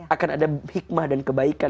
akan ada hikmah dan kebaikan